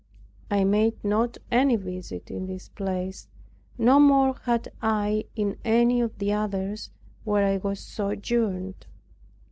I made not any visit in this place; no more had I in any of the others where I had sojourned.